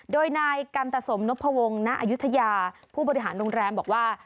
โดยนายกันตสมนพวงณอายุทยาผู้บริหารโรงแรมบอกว่า